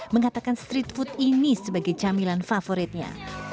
mengatakan street food ini sebagai camilan favoritnya